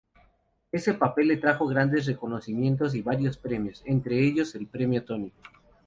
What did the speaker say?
Ese papel le trajo grandes reconocimientos y varios premios, entre ellos el Premio Tony.